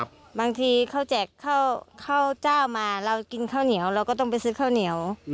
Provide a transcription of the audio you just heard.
บางทีเขาแจกข้าวเจ้ามาเรากินข้าวเหนียวเราก็ต้องไปซื้อข้าวเหนียว